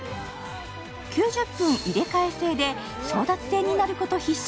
９０分入れ替え制で争奪戦になること必至。